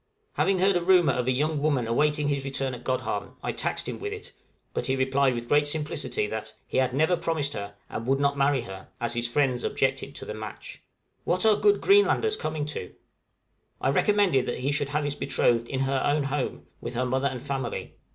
Having heard a rumor of a young woman awaiting his return at Godhavn, I taxed him with it, but he replied with great simplicity that "he had never promised her, and would not marry her, as his friends objected to the match!" What are the good Greenlanders coming to? I recommended that he should have his betrothed in her own home, with her mother and family.